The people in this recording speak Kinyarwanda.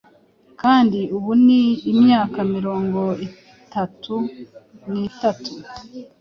kandi ubu ni imyaka mirongo itatu n'itatu